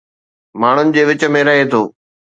ماڻهن جي وچ ۾ رهي ٿو